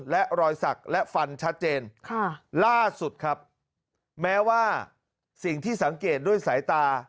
และรอยสักและฟันชัดเจนค่ะล่าสุดครับแม้ว่าสิ่งที่สังเกตด้วยสายตา